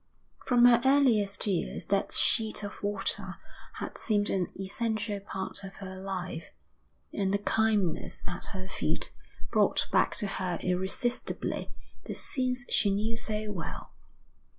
From her earliest years that sheet of water had seemed an essential part of her life, and the calmness at her feet brought back to her irresistibly the scenes she knew so well.